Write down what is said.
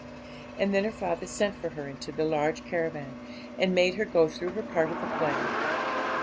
And then her father sent for her into the large caravan, and made her go through her part of the play.